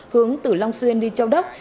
hướng từ long xuyên đi châu đốc